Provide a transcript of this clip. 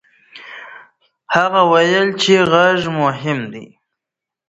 هغه وویل چې غږ مهم دی.